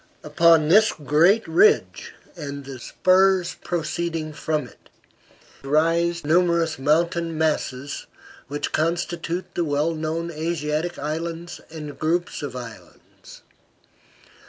Upon this great ridge, and the spurs proceeding from it, rise numerous mountainous masses, which constitute the well known Atlantic islands and groups of islands.